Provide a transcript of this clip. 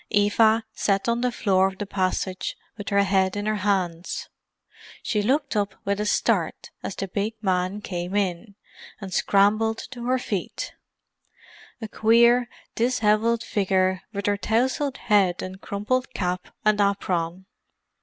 Eva sat on the floor of the passage with her head in her hands. She looked up with a start as the big man came in, and scrambled to her feet; a queer dishevelled figure with her tousled head and crumpled cap and apron.